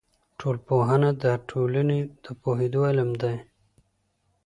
ټولنپوهنه د ټولني د پوهېدو علم دی.